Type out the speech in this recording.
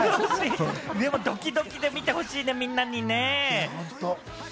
ドキドキで見てほしいね、みんなに。